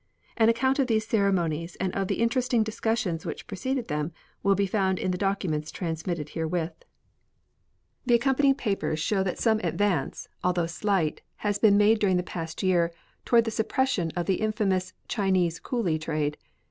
An account of these ceremonies and of the interesting discussions which preceded them will be found in the documents transmitted herewith. The accompanying papers show that some advance, although slight, has been made during the past year toward the suppression of the infamous Chinese cooly trade.